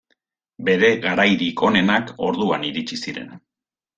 Bere garairik onenak orduan iritsi ziren.